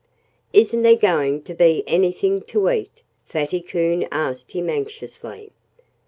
"Isn't there going to be anything to eat?" Fatty Coon asked him anxiously.